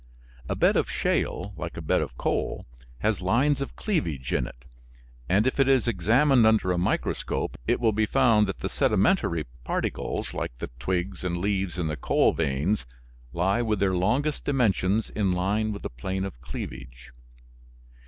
A bed of shale, like a bed of coal, has lines of cleavage in it, and if it is examined under a microscope it will be found that the sedimentary particles, like the twigs and leaves in the coal veins, lie with their longest dimensions in line with the plane of cleavage.